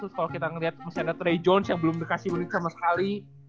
terus kalau kita ngeliat masih ada trey jones yang belum dikasih minute sama sekali